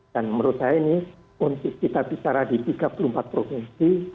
dan menurut saya ini kita bicara di tiga puluh empat provinsi